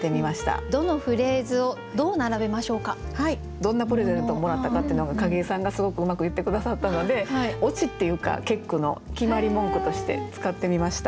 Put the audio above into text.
どんなプレゼントをもらったかっていうのが景井さんがすごくうまく言って下さったのでオチっていうか結句の決まり文句として使ってみました。